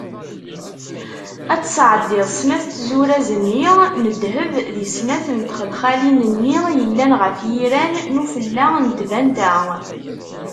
Ad tesɛeddiḍ snat n tzuraz-nni n ddheb di snat n txelxalin-nni yellan ɣef yiran n ufella n tbanta.